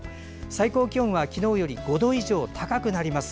最高気温は昨日より５度以上高くなります。